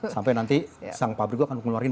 sampai nanti sang pabrik akan mengeluarkan